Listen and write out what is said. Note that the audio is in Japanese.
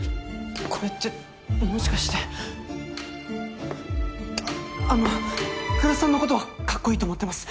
これってもしかしてあっあの来栖さんのことはかっこいいと思ってます